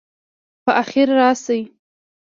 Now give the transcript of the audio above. په خیر راسئ.